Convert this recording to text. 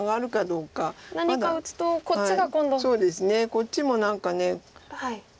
こっちも何か。